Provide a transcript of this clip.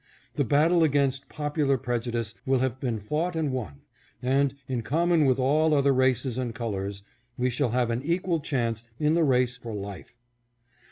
The battle against popular preju dice will have been fought and won, and, in common with all other races and colors, we shall have an equal chance in the race for life.